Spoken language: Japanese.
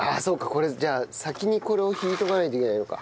これじゃあ先にこれを引いとかないといけないのか。